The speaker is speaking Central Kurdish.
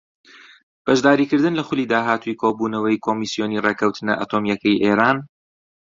بەشداریکردن لە خولی داهاتووی کۆبوونەوەی کۆمسیۆنی ڕێککەوتنە ئەتۆمییەکەی ئێران